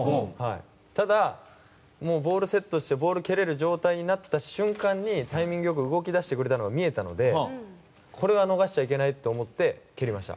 ただ、ボールをセットしてボールを蹴れる状態になった瞬間にタイミングよく動き出してくれたのが見えたのでこれは、逃しちゃいけないと思って蹴りました。